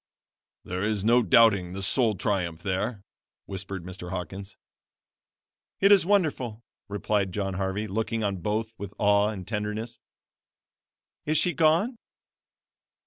"There is no doubting the soul triumph there," whispered Mr. Hawkins. "It is wonderful," replied John Harvey, looking on both with awe and tenderness. "Is she gone?"